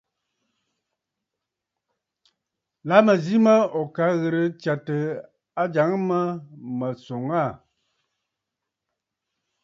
La mə̀ zi mə ò ka ghɨ̀rə tsyàtə ajàŋə mə mə̀ swòŋə aà.